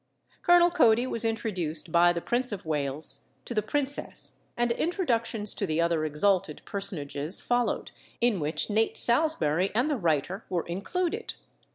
Colonel Cody was introduced by the Prince of Wales to the princess, and introductions to the other exalted personages followed, in which Nate Salsbury and the writer were included.